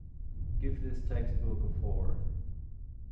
give this textbook a four